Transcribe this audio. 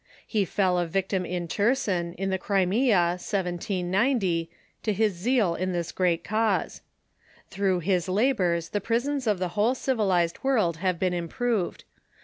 He fell a victim in Cherson, in the Crimea, 1790, to his zeal in this great cause. Through his labors the prisons of the whole civilized world have been improved.